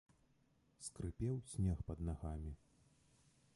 Скрыпеў снег пад нагамі.